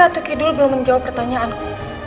atau kidul belum menjawab pertanyaanku